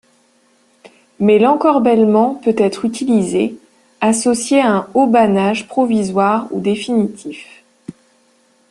Mais l'encorbellement peut être utilisé, associé à un haubanage provisoire ou définitif.